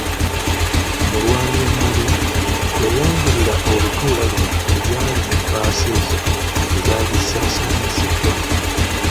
Mulwanyammuli yayanjulira olutuula luno ebyali mu bbaasa ezo ezaali zisaasanyiziddwa.